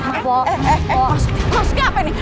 mas mas kek apa ini